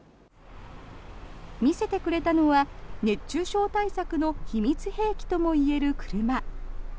見せてくれたのは熱中症対策の秘密兵器ともいえる車。